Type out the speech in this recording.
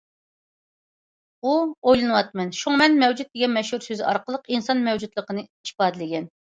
ئۇ« ئويلىنىۋاتىمەن، شۇڭا مەن مەۋجۇت» دېگەن مەشھۇر سۆزى ئارقىلىق ئىنسان مەۋجۇتلۇقىنى ئىپادىلىگەن.